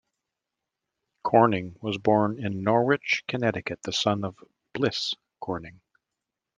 Corning was born in Norwich, Connecticut, the son of Bliss Corning.